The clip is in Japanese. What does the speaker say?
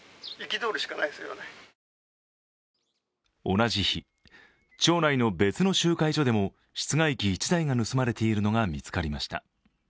同じ日、町内の別の集会所でも室外機１台が盗まれているのが見つかりました。